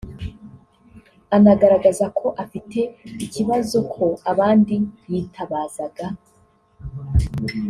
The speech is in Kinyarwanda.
Anagaragaza ko afite ikibazo ko abandi yitabazaga